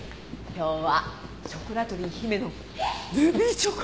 今日はショコラトリー・ヒメのルビーチョコ！